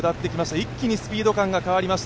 一気にスピード感が変わりました。